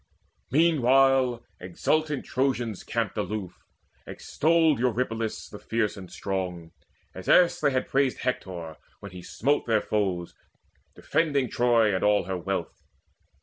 Meanwhile exultant Trojans camped aloof Extolled Eurypylus the fierce and strong, As erst they had praised Hector, when he smote Their foes, defending Troy and all her wealth.